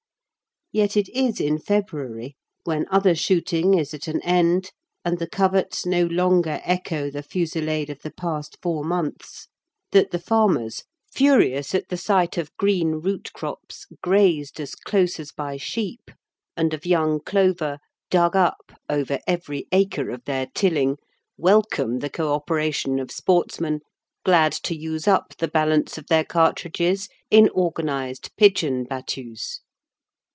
Yet it is in February, when other shooting is at an end and the coverts no longer echo the fusillade of the past four months, that the farmers, furious at the sight of green root crops grazed as close as by sheep and of young clover dug up over every acre of their tilling, welcome the co operation of sportsmen glad to use up the balance of their cartridges in organised pigeon battues.